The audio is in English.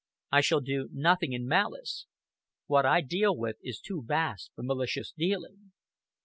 I shall do nothing in malice. What I deal with is too vast for malicious dealing."